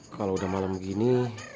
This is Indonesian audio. kalau udah malam begini